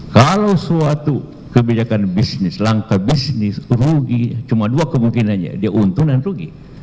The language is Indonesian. kalau suatu kebijakan bisnis langkah bisnis rugi cuma dua kemungkinannya dia untung dan rugi